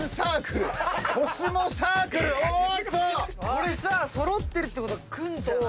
これ揃ってるってことはくるんじゃない？